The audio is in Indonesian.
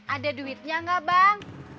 ada duitnya enggak bang